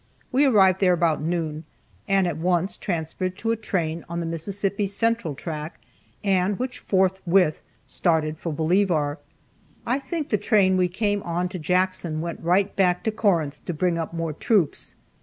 We arrived there about noon, and at once transferred to a train on the Mississippi Central track and which forthwith started for Bolivar. I think the train we came on to Jackson went right back to Corinth to bring up more troops.